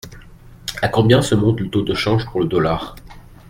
À combien se monte le taux de change pour le dollar ?